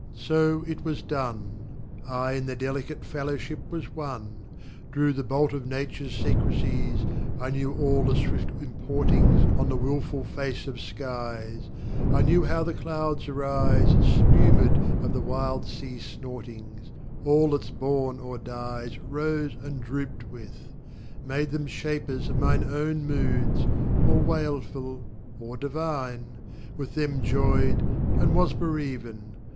ŌĆÖ So it was done: I in their delicate fellowship was oneŌĆö Drew the bolt of NatureŌĆÖs secrecies. I knew all the swift importings On the wilful face of skies; I knew how the clouds arise Spum├©d of the wild sea snortings; All thatŌĆÖs born or dies Rose and drooped with; made them shapers Of mine own moods, or wailful or divine; With them joyed and was bereaven.